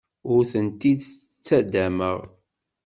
Ur tent-id-ttaddameɣ.